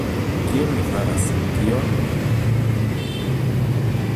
Kion li faras, kion?